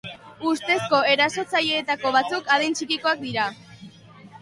Ustezko erasotzaileetako batzuk adin txikikoak dira.